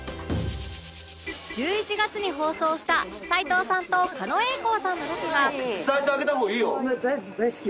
１１月に放送した齊藤さんと狩野英孝さんのロケが